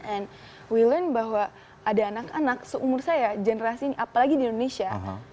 and we learn bahwa ada anak anak seumur saya apalagi di indonesia